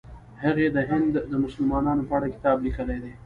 هغې د هند د مسلمانانو په اړه کتاب لیکلی دی.